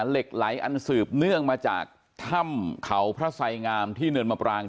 เหล็กไหลอันสืบเนื่องมาจากถ้ำเขาพระไสงามที่เนินมะปราง